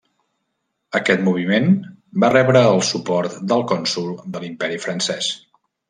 Aquest moviment va rebre el suport del cònsol de l'Imperi Francès.